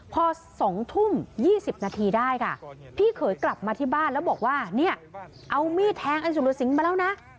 พอ๒ทุ่ม๒๐นาทีได้ค่ะพี่เขยกลับมาที่บ้านแล้วบอกว่าเนี่ยเอามีดแทงไอ้สุรสิงห์มาแล้วนะ